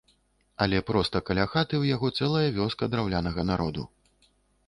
Але проста каля хаты ў яго цэлая вёска драўлянага народу.